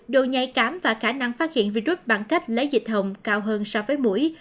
đồ nhạy cảm và khả năng phát hiện virus bằng cách lấy dịch hồng cao hơn so với mũi